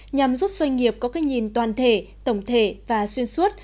nhằm giúp doanh nghiệp có cái nhìn toàn thể tổng thể và xuyên suốt